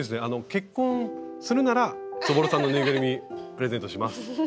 「結婚するならそぼろさんのぬいぐるみプレゼントします」。